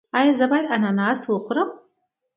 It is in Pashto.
ایا زه باید اناناس وخورم؟